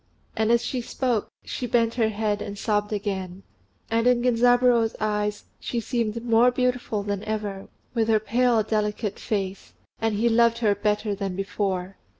And as she spoke, she bent her head and sobbed again; and in Genzaburô's eyes she seemed more beautiful than ever, with her pale, delicate face; and he loved her better than before.